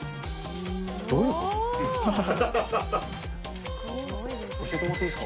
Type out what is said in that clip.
どういうこと？